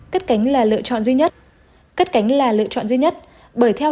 cất cánh là lựa chọn duy nhất cất cánh là lựa chọn duy nhất bởi theo